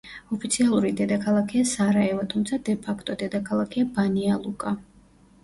ოფიციალური დედაქალაქია სარაევო, თუმცა დე ფაქტო დედაქალაქია ბანია-ლუკა.